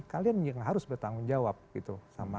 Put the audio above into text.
kalian yang harus bertanggung jawab gitu